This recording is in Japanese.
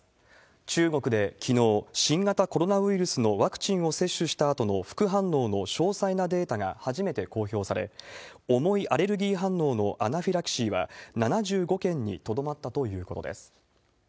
中国できのう、新型コロナウイルスのワクチンを接種したあとの副反応の詳細なデータが初めて公表され、重いアレルギー反応のアナフィラキシーは７５件にとどまったということです。